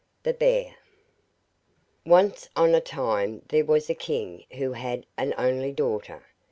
] The Bear Once on a time there was a king who had an only daughter.